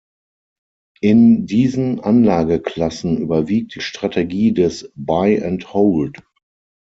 In diesen Anlageklassen überwiegt die Strategie des „Buy and hold“.